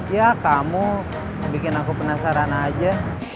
ya kamu bikin aku penasaran aja